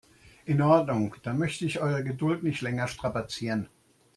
In Ordnung, dann möchte ich eure Geduld nicht länger strapazieren.